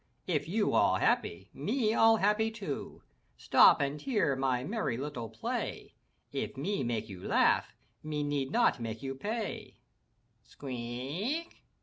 If you all happy, me all happy too. Stop and hear my merry little play. If me make you laugh, me need not make you pay! Squeak!